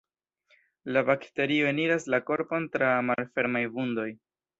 La bakterio eniras la korpon tra malfermaj vundoj.